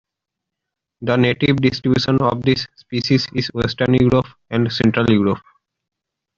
The native distribution of this species is Western Europe and Central Europe.